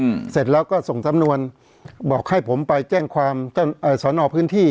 อืมเสร็จแล้วก็ส่งสำนวนบอกให้ผมไปแจ้งความท่านเอ่อสอนอพื้นที่